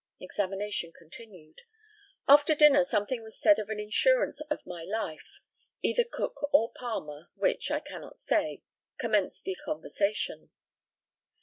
Examination continued: After dinner something was said of an insurance of my life. Either Cook or Palmer, which I cannot say, commenced the conversation.